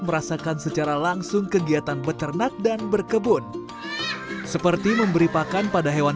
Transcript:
merasakan secara langsung kegiatan beternak dan berkebun seperti memberi pakan pada hewan